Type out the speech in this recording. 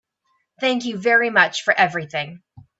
Thank you very much for everything.